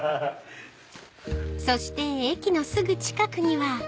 ［そして駅のすぐ近くには］